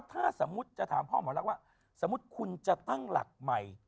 แต่สมมุติว่าฟังคุณจะตั้งหลักใหม่